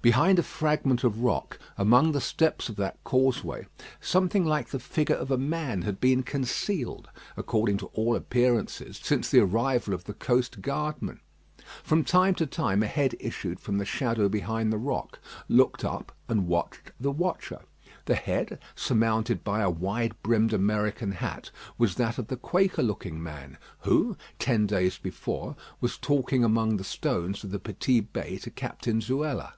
Behind a fragment of rock, among the steps of that causeway, something like the figure of a man had been concealed, according to all appearances, since the arrival of the coast guardman. From time to time a head issued from the shadow behind the rock; looked up and watched the watcher. The head, surmounted by a wide brimmed American hat, was that of the Quaker looking man, who, ten days before, was talking among the stones of the Petit Bey to Captain Zuela.